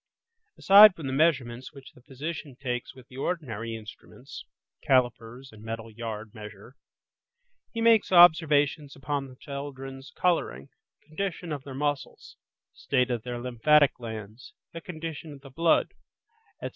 Aside from the measurements which the physician takes with the ordinary instruments (calipers and metal yard measure), he makes observations upon the children's colouring, condition of their muscles, state of their lymphatic glands, the condition of the blood, etc.